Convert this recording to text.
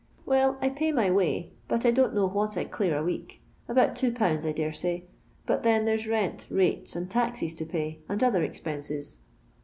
Well, I pay my way, but I don't know what I clear a week — about 2f, I dare say, but then there 's rent, rates, and taxes to pay, and other expenses."